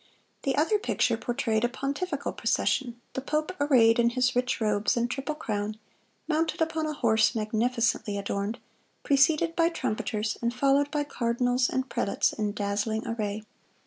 The other picture portrayed a pontifical procession,—the pope arrayed in his rich robes and triple crown, mounted upon a horse magnificently adorned, preceded by trumpeters, and followed by cardinals and prelates in dazzling array.